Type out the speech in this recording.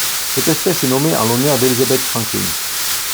Cette espèce est nommée en l'honneur d'Elizabeth Franklin.